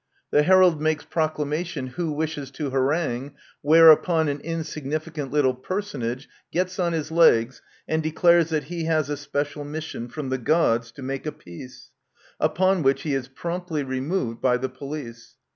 The Herald makes proclamation, "Who wishes to harangue P " whereupon an insignificant little personage gets on his legs and declares that he has a special mission from the gods to make a peace, upon which he is promptly removed x Introduction. by the police.